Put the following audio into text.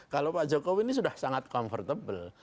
kalau pak jokowi ini sudah sangat comfortable